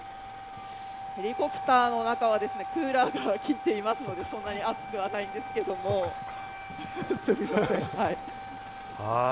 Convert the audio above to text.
ヘリコプターの中はクーラーがきいていますので、そんなに暑くはないんですけども、すみません。